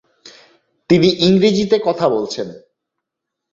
তিনি ইংরেজিতে কথা বলছেন।